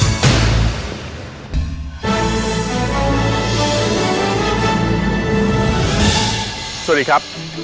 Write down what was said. สวัสดีครับ